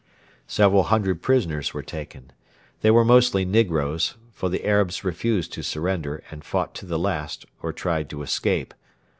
Several hundred prisoners were taken. They were mostly negroes for the Arabs refused to surrender, and fought to the last or tried to escape.